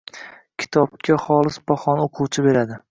Kitobga xolis bahoni o‘quvchi beradi.